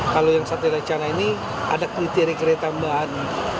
kalau yang satya lancana ini ada kriteria kereta bahan